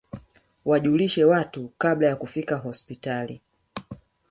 wajulishe watu kabla ya kufika hospitali